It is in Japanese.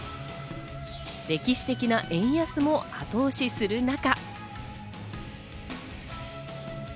歴史的な円安も後押しする中。